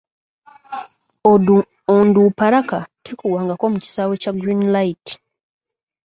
Onduparaka tekubwangako mu kisaawe kya Green Light.